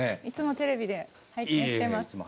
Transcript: いつもテレビで拝見してます。